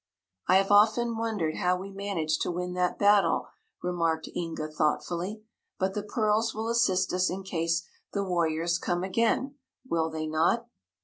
"I have often wondered how we managed to win that battle," remarked Inga thoughtfully. "But the pearls will assist us in case the warriors come again, will they not?"